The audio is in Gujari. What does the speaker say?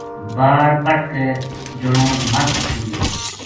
باڑ پَٹ کے جنو مدھ چھوڈیو